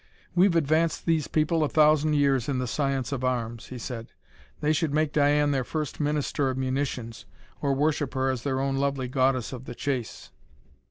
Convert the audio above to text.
"We've advanced these people a thousand years in the science of arms," he said. "They should make Diane their first Minister of Munitions, or worship her as their own lovely goddess of the chase."